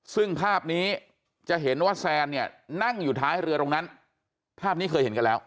ซึ่งภาพนี้จะเห็นว่าแซนเนี่ยนั่งอยู่ท้ายเรือตรงนั้นภาพนี้เคยเห็นกันแล้ว